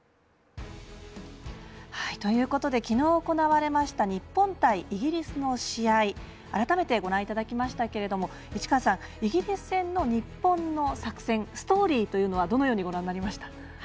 きのう、行われました日本対イギリスの試合改めてご覧いただきましたけどもイギリス戦の日本の作戦ストーリーというのはどのようにご覧になりましたか？